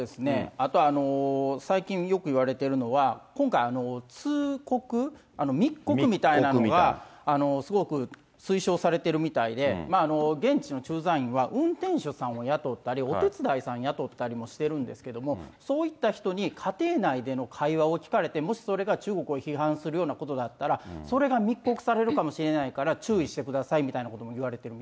あと最近よく言われてるのは、今回、通告、密告みたいなのはすごく推奨されてるみたいで、現地の駐在員は運転手さんを雇ったり、お手伝いさん雇ったりもしてるんですけども、そういった人に家庭内での会話を聞かれて、もしそれが中国を批判するようなことがあったら、それが密告されるかもしれないから注意してくださいみたいなこと